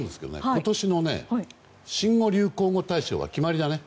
今年の新語・流行語大賞は決まりだね。